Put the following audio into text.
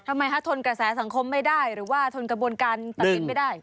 ทำไมคะทนกระแสสังคมไม่ได้หรือว่าทนกระบวนการตัดสินไม่ได้